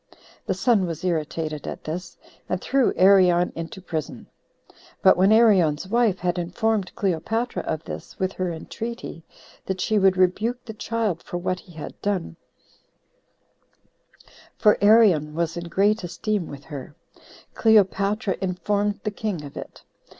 The son was irritated at this, and threw Arion into prison. But when Arion's wife had informed Cleopatra of this, with her entreaty, that she would rebuke the child for what he had done, [for Arion was in great esteem with her,] Cleopatra informed the king of it.